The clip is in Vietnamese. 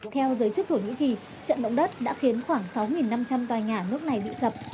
theo giới chức thổ nhĩ kỳ trận động đất đã khiến khoảng sáu năm trăm linh tòa nhà ở nước này bị sập